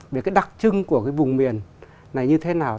về cái đặc trưng của cái vùng miền này như thế nào